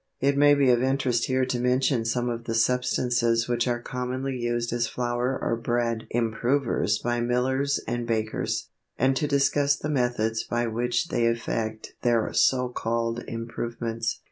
It may be of interest here to mention some of the substances which are commonly used as flour or bread improvers by millers and bakers, and to discuss the methods by which they effect their so called improvements.